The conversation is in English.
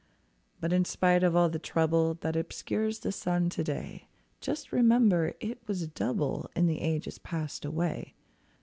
But in spite of all the trouble That obscures the sun to day, Just remember it was double In the ages passed away.